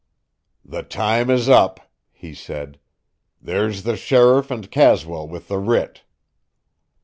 "The time is up," he said. "There's the sheriff and Caswell with the writ."